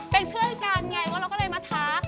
เป็นเพื่อนกันไงว่าเราก็เลยมาท้า